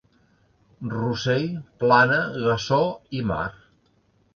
Rossell, Plana, Gassó i Mar.